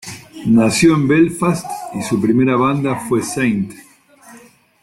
Nació en Belfast y su primera banda fue St.